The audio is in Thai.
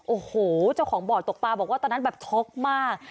โอ้โหเจ้าของบ่อตกปลาบอกว่าตอนนั้นแบบช็อกมาก